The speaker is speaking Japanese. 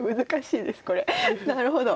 なるほど。